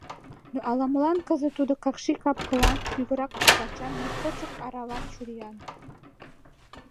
Но ала-молан кызыт Тудо какши кап-кылан, пӱгыррак туп-вачан, моткочак арава чуриян.